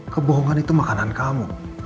kebohongan itu makanan kamu